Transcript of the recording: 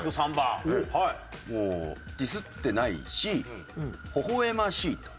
もうディスってないしほほ笑ましいと。